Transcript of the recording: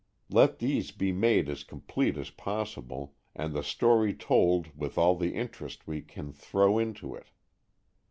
Let these be made as complete as possible, and the story told with all the interest we can throw into it.